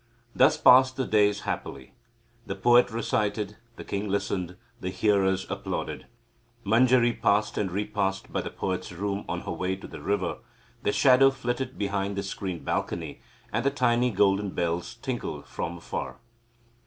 Thus passed the days happily. The poet recited, the king listened, the hearers applauded, Manjari passed and repassed by the poet's room on her way to the river the shadow flitted behind the screened balcony, and the tiny golden bells tinkled from afar.